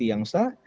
bukti yang sah